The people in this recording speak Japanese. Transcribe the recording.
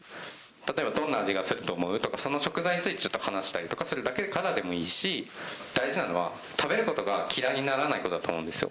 例えばどんな味がすると思う？とか、その食材についてちょっと話したりすることからでもいいし、大事なのは、食べることが嫌いにならないことだと思うんですよ。